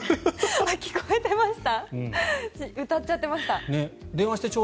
聞こえてました？